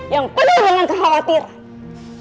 yang penuh dengan kekhawatiran